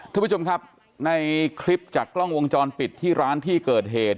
ท่านผู้ชมครับในคลิปจากกล้องวงจรปิดที่ร้านที่เกิดเหตุ